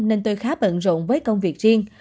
nên tôi khá bận rộn với công việc riêng